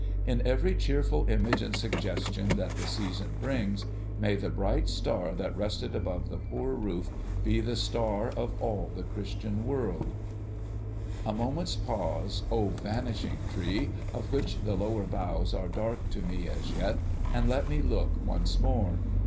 In every cheerful image and suggestion that the season brings, may the bright star that rested above the poor roof, be the star of all the Christian World ! i6 A CHRISTMAS TREE A moment's pause, O vanishing tree, of which the lower boughs are dark to me as yet, and let me look once more